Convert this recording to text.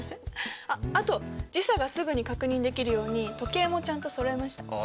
あっあと時差がすぐに確認できるように時計もちゃんとそろえました。